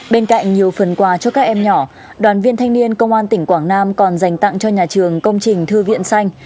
bên cạnh nhiều phần quà cho các em nhỏ đoàn viên thanh niên công an tỉnh quảng nam còn dành tặng cho nhà trường công trình thư viện xanh